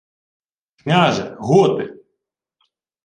— Княже, готи!